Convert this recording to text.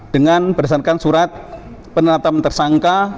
dengan berdasarkan surat penerata mentersangka